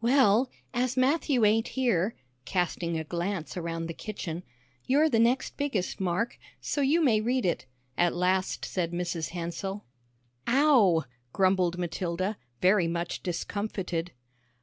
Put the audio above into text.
"Well, as Matthew ain't here," casting a glance around the kitchen, "you're the next biggest, Mark, so you may read it," at last said Mrs. Hansell. "Ow!" grumbled Matilda, very much discomfited.